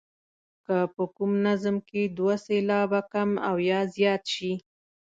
که په کوم نظم کې دوه سېلابه کم او یا زیات شي.